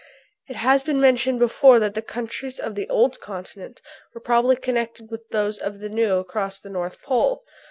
It has been mentioned before that the countries of the old continent were probably connected with those of the new across the North Pole.